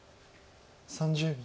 ３０秒。